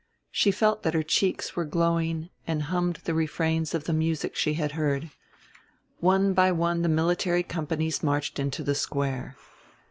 She felt that her cheeks were glowing and hummed the refrains of the music she had heard. One by one the military companies marched into the Square.